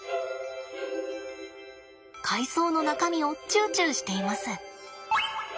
海藻の中身をチュウチュウしています。